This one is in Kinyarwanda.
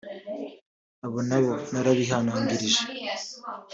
abo nabo narabihanangirije